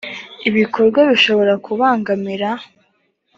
ibikorwa bishobora kubangamira